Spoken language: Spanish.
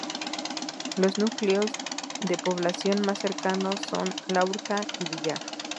Los núcleos de población más cercanos son Luarca y Villar.